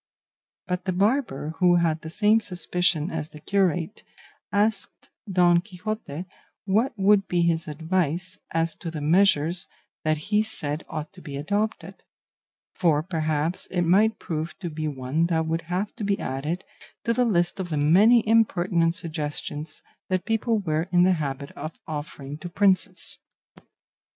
But the barber, who had the same suspicion as the curate, asked Don Quixote what would be his advice as to the measures that he said ought to be adopted; for perhaps it might prove to be one that would have to be added to the list of the many impertinent suggestions that people were in the habit of offering to princes.